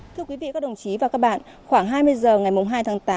thưa quý vị các đồng chí và các bạn khoảng hai mươi h ngày hai tháng tám